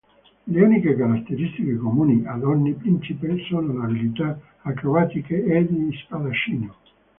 Le uniche caratteristiche comuni ad ogni principe sono le abilità acrobatiche e di spadaccino.